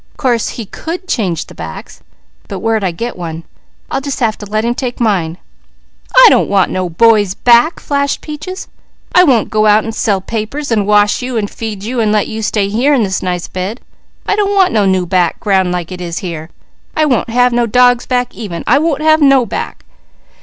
Course he could change the backs, but where'd I get one. I'll just have to let him take mine." "I don't want no boy's back!" flashed Peaches. "I won't go out an' sell papers, an' wash you, an' feed you, an' let you stay here in this nice bed. I don't want no new back, grand like it is here. I won't have no dog's back, even. I won't have no back!"